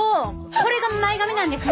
これが前髪なんですね